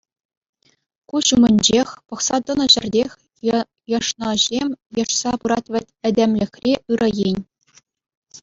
Куҫ умӗнчех, пӑхса тӑнӑ ҫӗртех йӑшнӑҫем йӑшса пырать вӗт этемлӗхри ырӑ ен.